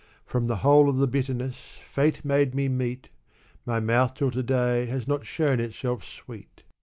From the whole of the bitterness. Fate made me meet, My mouth tiU to day has not shown itself sweet.